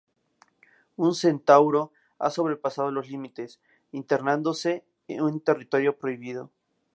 Un centauro ha sobrepasado los límites, internándose en territorio prohibido.